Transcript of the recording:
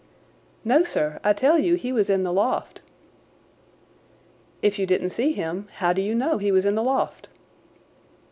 "No, sir; I tell you he was in the loft." "If you didn't see him, how do you know he was in the loft?"